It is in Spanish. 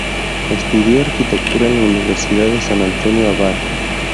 Estudió arquitectura en la Universidad de San Antonio Abad.